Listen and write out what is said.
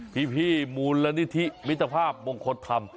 พี่มูลนิธิมิตรภาพมงคลธรรม